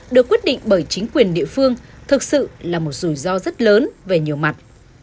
được quyết định bởi chính quyền địa phương thực sự là một rủi ro rất lớn về nhiều mặt